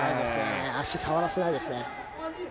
足、触らせないですね。